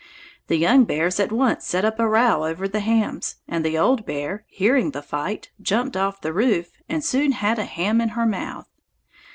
The young bears at once set up a row over the hams, and the old bear, hearing the fight, jumped off the roof and soon had a ham in her mouth.